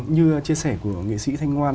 như chia sẻ của nghệ sĩ thanh ngoan